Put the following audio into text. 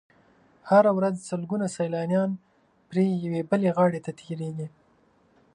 هره ورځ سلګونه سیلانیان پرې یوې بلې غاړې ته تېرېږي.